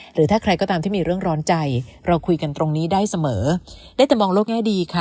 หรือถ้าใครก็ตามที่มีเรื่องร้อนใจเราคุยกันตรงนี้ได้เสมอได้แต่มองโลกแง่ดีค่ะ